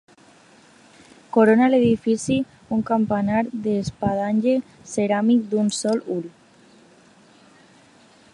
Corona l'edifici un campanar d'espadanya ceràmic d'un sol ull.